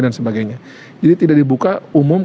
dan sebagainya jadi tidak dibuka umum